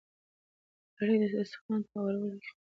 ګلالۍ د دسترخوان په هوارولو کې خپله مینه ښودله.